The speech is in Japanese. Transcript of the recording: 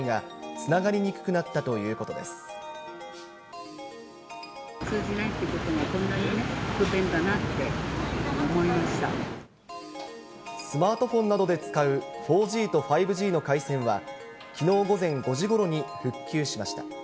通じないということが、スマートフォンなどで使う４Ｇと５Ｇの回線は、きのう午前５時ごろに復旧しました。